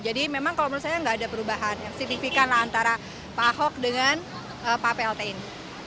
jadi memang kalau menurut saya nggak ada perubahan yang signifikan lah antara pak ahok dengan pak plt ini